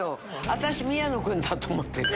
私宮野君だと思ってる。